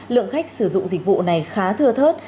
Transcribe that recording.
lượng khách sử dụng dịch vụ này khá thưa thớt